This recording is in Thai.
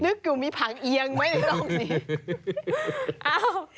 นึกอยู่มีผักเอียงไม่ต้องสิ